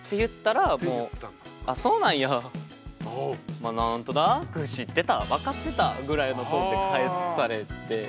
まあ何となく知ってた分かってたぐらいのトーンで返されて。